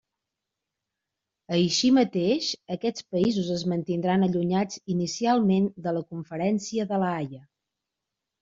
Així mateix, aquests països es mantindran allunyats inicialment de la Conferència de la Haia.